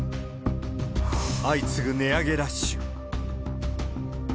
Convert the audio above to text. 相次ぐ値上げラッシュ。